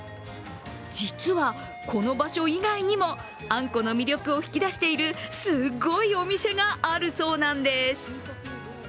実は、この場所以外にもあんこの魅力を引き出しているすごいお店があるそうなんです。